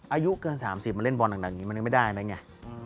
อายุเกิน๓๐มาเล่นบอลหนักนี่มันยังไม่ได้นะไง